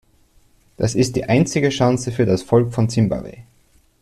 Das ist die einzige Chance für das Volk von Zimbabwe.